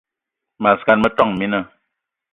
Mas gan, metόn mina